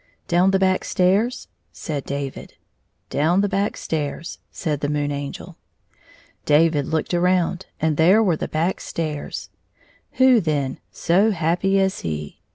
"Down the back stairs?" said David. " Down the back stairs," said the Moon Angel. David looked around, and there were the back stairs. Who then so happy as he